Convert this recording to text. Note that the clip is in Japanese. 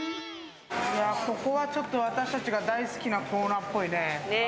ここは私たちが大好きなコーナーっぽいね。